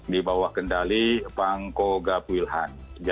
di bawah kendali pangko gap wilhan